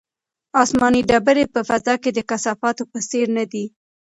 آسماني ډبرې په فضا کې د کثافاتو په څېر نه دي.